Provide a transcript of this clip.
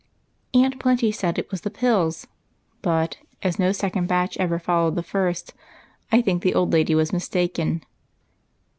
Aunt Plenty said it was the pills ; but, as no second batch ever followed the first, I think the old lady was mistaken.